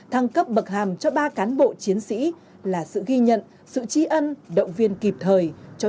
thăng cấp bậc hàm cho ba cán bộ chiến sĩ là sự ghi nhận sự tri ân động viên kịp thời